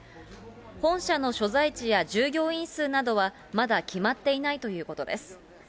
本社の所在地や従業員数などは、まだ決まっていないということです。